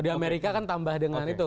di amerika kan tambah dengan itu